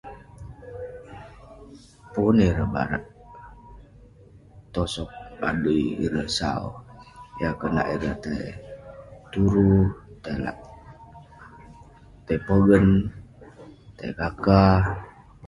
Pun ireh barak tosog adui ireh sau. Yah konak adui ireh tai turu, tai lak- tai pogen, tai kaka.